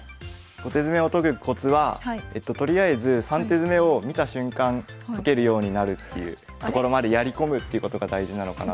５手詰を解くコツはとりあえず３手詰を見た瞬間解けるようになるっていうところまでやり込むっていうことが大事なのかなと思っていて。